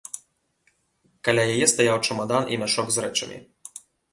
Каля яе стаяў чамадан і мяшок з рэчамі.